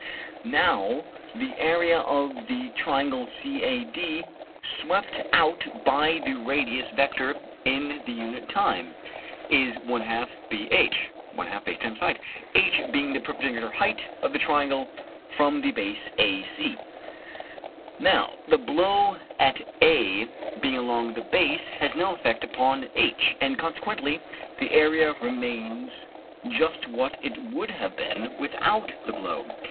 Now the area of the triangle CAD, swept out by the radius vector in unit time, is 1/2_bh_; h being the perpendicular height of the triangle from the base AC. (Fig. 70.) Now the blow at A, being along the base, has no effect upon h; and consequently the area remains just what it would have been without the blow.